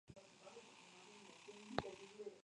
Se encuentran en la ruta hacia el barrio San Gabriel.